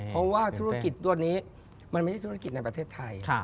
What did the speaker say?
เพราะว่าธุรกิจตัวนี้มันไม่ใช่ธุรกิจในประเทศไทย